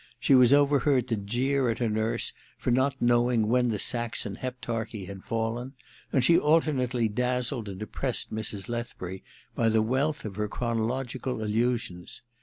She was overheard to jeer at her nurse for not knowing when the Saxon Hept archy had fallen, and she alternately dazzled and depressed Mrs. Lethbury by the wealth of her chronological allusions.